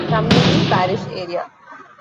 Tammany Parish area.